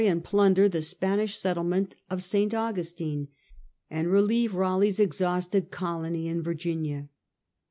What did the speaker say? A UGUSTINE 1 1 1 and plunder the Spanish settlement at St 'Augustine, and reUeve Raleigh's exhausted colony in Virginia.